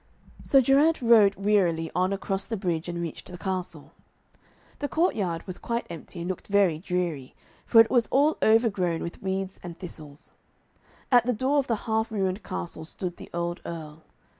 So Geraint rode wearily on across the bridge and reached the castle. The courtyard was quite empty and looked very dreary, for it was all overgrown with weeds and thistles. At the door of the half ruined castle stood the old Earl.